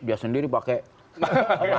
dia sendiri pakai masker gitu kan